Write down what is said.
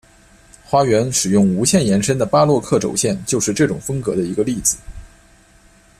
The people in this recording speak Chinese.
花园使用无限延伸的巴洛克轴线就是这种风格的一个例子。